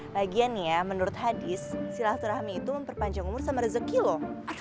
lagian ya menurut hadis si laksarami itu memperpanjang umur sama rezeki loh